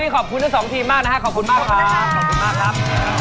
ขอบคุณมากครับ